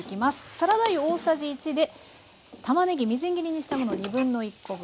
サラダ油大さじ１でたまねぎみじん切りにしたもの1/2コ分。